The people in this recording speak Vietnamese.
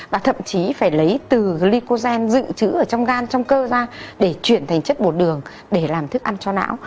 phải lấy từ glycogen dự trữ ở trong gan trong cơ ra để chuyển thành chất bột đường để làm thức ăn cho não